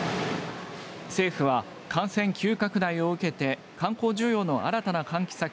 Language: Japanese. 政府は、感染急拡大を受けて観光需要の新たな喚起策